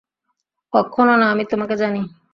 কক্ষনো না, আমি তোমাকে জানি।